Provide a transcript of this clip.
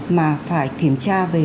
mà phải kiểm tra về